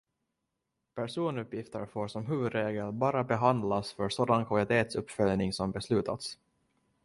Personuppgifter får som huvudregel bara behandlas för sådan kvalitetsuppföljning som beslutats.